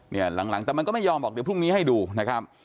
หลังแต่มันก็ไม่ยอมบอกเดี๋ยวพรุ่งนี้ให้ดูนะครับ